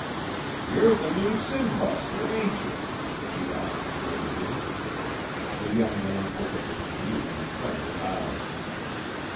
"You're the new sin buster, ain't you?" she asked gravely. The young man opened his blue and friendly eyes.